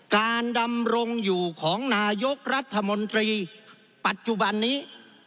การดำรงอยู่ของนายกรัฐมนตรีปัจจุบันนี้